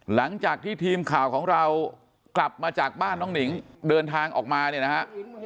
หลังจากที่ทีมข่าวของเรากลับมาจากบ้านน้องหนิงเดินทางออกมาเนี่ยนะฮะ